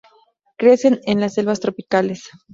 Crecen en las selvas tropicales.